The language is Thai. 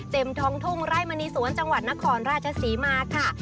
เจ็มทองทุ่งไล้มาในสวนจังหวัดนครราชศรีมาค่ะ